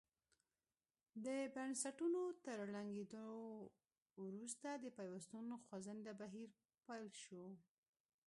د بنسټونو تر ړنګېدو وروسته د پیوستون خوځنده بهیر پیل شو.